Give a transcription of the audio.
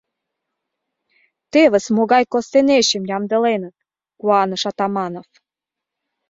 — Тевыс могай костенечым ямдыленыт! — куаныш Атаманов.